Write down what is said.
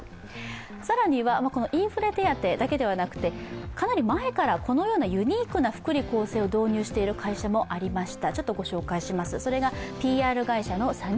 更にはインフレ手当だけじゃなくてかなり前からこのようなユニークな福利厚生を導入している会社もありました。